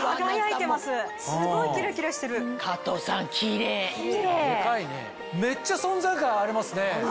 デカいねめっちゃ存在感ありますね。